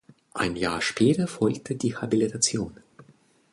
Ein Jahr später folgte die Habilitation.